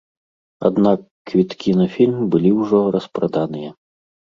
Аднак квіткі на фільм былі ўжо распраданыя.